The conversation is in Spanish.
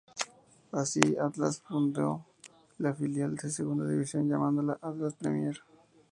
Así, Atlas fundó la filial de Segunda División llamándola "Atlas Premier".